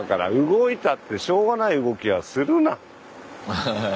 アハハハ。